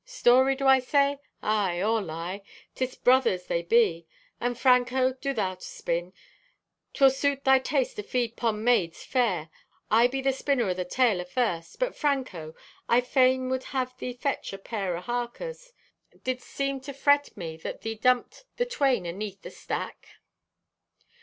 Story do I say? Aye, or lie, 'tis brothers they be. And, Franco, do thou to spin, 'twill suit thy taste to feed 'pon maid's fare. I be the spinner o' the tale afirst. But, Franco, I fain would have thee fetch a pair o' harkers. Didst deem to fret me that thee dumped the twain aneath the stack?